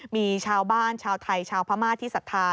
มีชาวบ้านชาวไทยชาวพม่าที่ศรัทธา